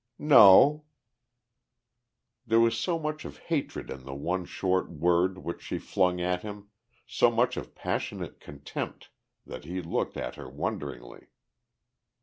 "No." There was so much of hatred in the one short word which she flung at him, so much of passionate contempt, that he looked at her wonderingly.